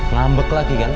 lambek lagi kan